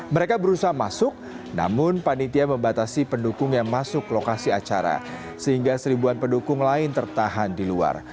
mereka berusaha masuk namun panitia membatasi pendukung yang masuk lokasi acara sehingga seribuan pendukung lain tertahan di luar